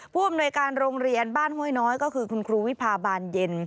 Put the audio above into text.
ผู้อำนวยการโรงเรียนบ้านห้วยน้อยก็คือคุณครูวิพาบานเย็น